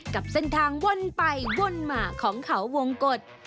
กับเส้นทางวนไปวนมาของเขาวงกฎ